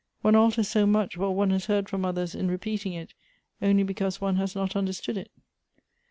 ''" One alters so much what one has heard from others in repeating it, only because one has not understood it."